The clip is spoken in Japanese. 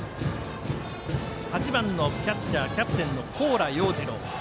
８番のキャッチャーキャプテンの高良鷹二郎。